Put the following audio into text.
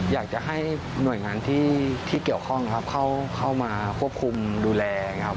อยากจะให้หน่วยงานที่เกี่ยวข้องครับเข้ามาควบคุมดูแลอย่างนี้ครับ